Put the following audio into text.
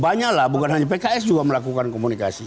banyak lah bukan hanya pks juga melakukan komunikasi